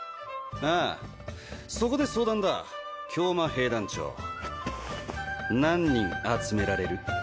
ああそこで相談だ教魔兵団長何人集められる？